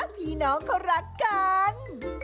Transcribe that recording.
พี่น้องเขารักกัน